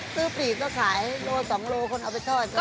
ซื้อปลีกก็ขายโล่๒โลกรัมคนเอาไปทอดก็ค่ะ